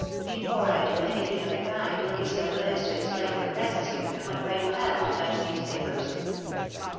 " Before I do anything of the kind you'll be so good as to explain your presence here, and what right you have to touch these papers."